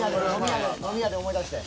飲み屋で思い出して。